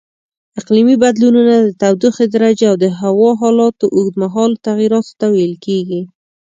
اقلیمي بدلونونه د تودوخې درجې او د هوا حالاتو اوږدمهالو تغییراتو ته ویل کېږي.